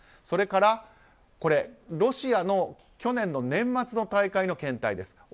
それから、これはロシアの去年の年末の大会の検体です。